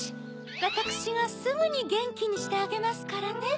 わたくしがすぐにゲンキにしてあげますからね。